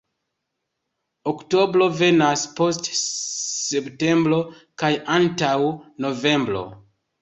Oktobro venas post septembro kaj antaŭ novembro.